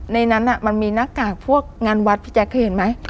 ในนั้นมันมีหน้ากากพวกงานวัดพี่แจ๊คเคยเห็นไหม